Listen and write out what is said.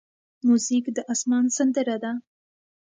موزیک د آسمان سندره ده.